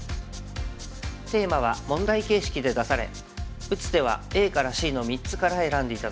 テーマは問題形式で出され打つ手はＡからＣの３つから選んで頂きます。